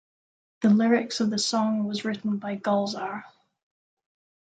The lyrics of the song was written by Gulzar.